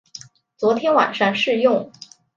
昨天晚上试用